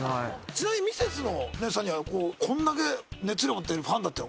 ちなみにミセスの皆さんにはこんだけ熱量持ってるファンだってご存じだったんですか？